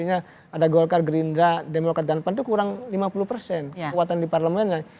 artinya ada golkar gerindra demokrasi dan depan itu kurang lima puluh kekuatan di parlemennya